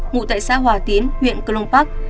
ngụ tại xã hòa tiến huyện cơ long park